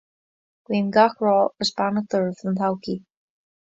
Guím gach rath agus beannacht oraibh don todhchaí